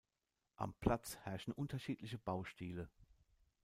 Am Platz herrschen unterschiedliche Baustile.